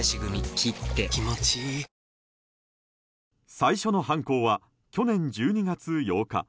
最初の犯行は去年１２月８日。